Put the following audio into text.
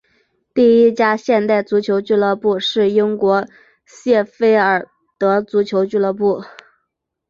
第一家现代足球俱乐部是英国谢菲尔德足球俱乐部。